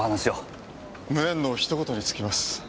無念のひと言に尽きます。